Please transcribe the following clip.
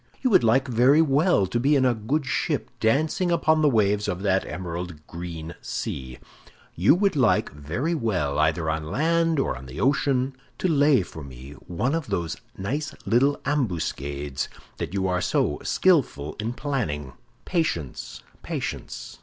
You would like very well to be in a good ship dancing upon the waves of that emerald green sea; you would like very well, either on land or on the ocean, to lay for me one of those nice little ambuscades you are so skillful in planning. Patience, patience!